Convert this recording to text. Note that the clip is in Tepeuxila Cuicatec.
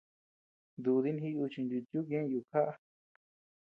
Dúdi jiyuchiy nutiukuu ñeʼe yukjaʼa.